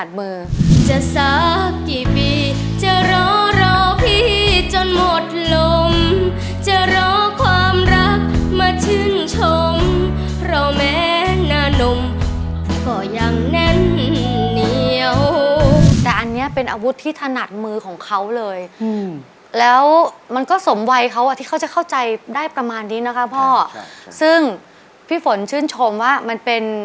เราชอบเอาคืน